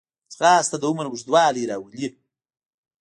ځغاسته د عمر اوږدوالی راولي